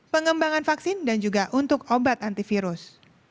pengembangan vaksin dan juga untuk obat antivirus